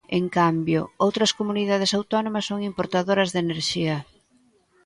En cambio, outras comunidades autónomas son importadoras de enerxía.